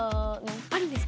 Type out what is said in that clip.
あるんですか？